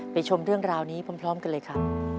ชมเรื่องราวนี้พร้อมกันเลยครับ